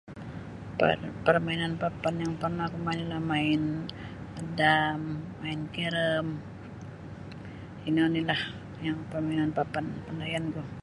Par parmainan papan yang pernah aku main namain dam main karom ino ni lah yang permainan papan pandayan ku.